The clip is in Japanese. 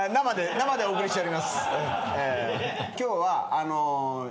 生でお送りしております。今日は。